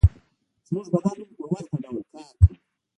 زموږ بدن هم په ورته ډول کار کوي